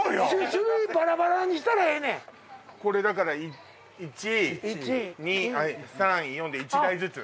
種類バラバラにしたらええねんこれだから１２３４で１台ずつ？